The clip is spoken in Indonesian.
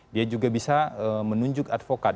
dia juga bisa menunjuk advokat